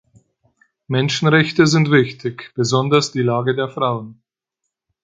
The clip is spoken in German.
Menschenrechte sind wichtig, besonders die Lage der Frauen.